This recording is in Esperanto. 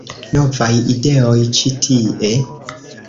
Novaj ideoj ĉi tie